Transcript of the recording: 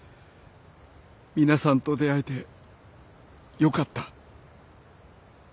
皆さんと出会えてよかった。